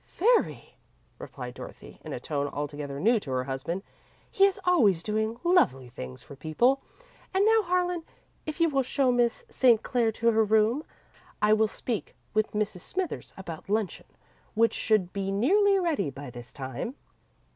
"Very," replied Dorothy, in a tone altogether new to her husband. "He is always doing lovely things for people. And now, Harlan, if you will show Miss St. Clair to her room, I will speak with Mrs. Smithers about luncheon, which should be nearly ready by this time."